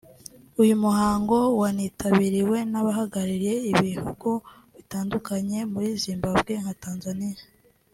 uyu muhango wanitabiriwe n’abahagarariye ibihugu bitandukanye muri Zimbabwe nka Tanzania